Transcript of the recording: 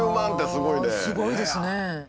すごいですね。